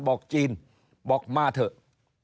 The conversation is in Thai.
จีนบอกมาเถอะ